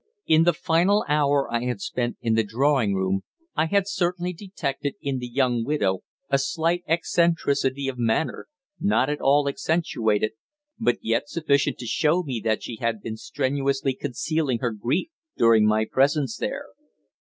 In the final hour I had spent in the drawing room I had certainly detected in the young widow a slight eccentricity of manner, not at all accentuated, but yet sufficient to show me that she had been strenuously concealing her grief during my presence there.